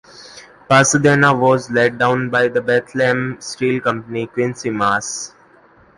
"Pasadena" was laid down by the Bethlehem Steel Company, Quincy, Mass.